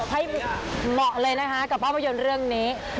ให้เหมาะเลยนะคะกับภาพยนตร์เรื่องนี้